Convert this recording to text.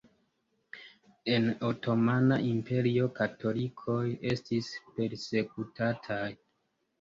En Otomana Imperio katolikoj estis persekutataj.